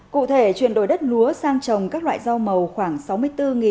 cụ thể chuyển đổi đất lúa sang trồng các loại dâu màu khoảng sáu mươi bốn năm trăm hai mươi ba hectare